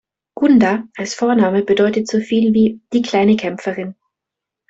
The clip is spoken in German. Gunda als Vorname bedeutet so viel wie „die kleine Kämpferin“.